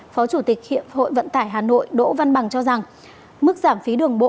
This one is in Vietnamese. phó chủ tịch hiệp hội vận tải hà nội đỗ văn bằng cho rằng mức giảm phí đường bộ